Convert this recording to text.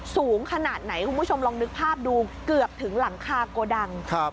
สูงขนาดไหนคุณผู้ชมลองนึกภาพดูเกือบถึงหลังคาโกดังครับ